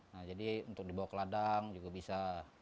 nah jadi untuk dibawa ke ladang juga bisa